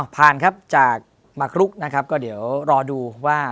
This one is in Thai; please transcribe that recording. ผ่านจากหมักรุกก็เดี๋ยวรอดูว่า